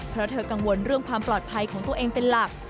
เพราะเธอกังวลเรื่องความปลอดภัยของตัวเองเป็นหลัก